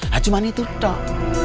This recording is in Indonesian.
hacuman itu tok